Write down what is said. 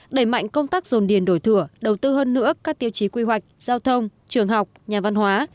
đẩy mạnh công tác dồn điền đổi thửa đầu tư hơn nữa các tiêu chí quy hoạch giao thông trường học nhà văn hóa